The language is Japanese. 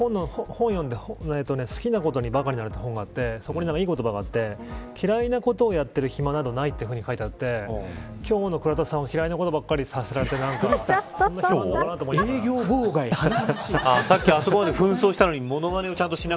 本読んで好きなことにばかになれって本があってそこにいい言葉があって嫌いなことをやっている暇などない、という言葉があって今日の倉田さんは嫌いなことばかりさせられてなんだと思いながら。